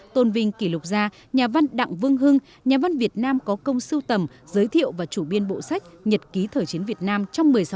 tôn vinh kỷ lục gia nhà văn đặng vương hưng nhà văn việt nam có công sưu tầm giới thiệu và chủ biên bộ sách nhật ký thời chiến việt nam trong một mươi sáu năm từ năm hai nghìn bốn đến năm hai nghìn hai mươi